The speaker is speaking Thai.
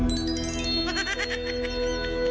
ฝ่าบาง